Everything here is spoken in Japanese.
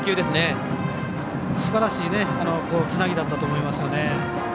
すばらしいつなぎだったと思いますよね。